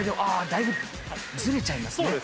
だいぶずれちゃいますね。